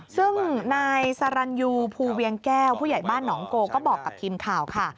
ซึ่งนายสรรยูภูเวียงแก้วผู้ใหญ่บ้านหนองโกก็บอกกับทีมข่าวค่ะ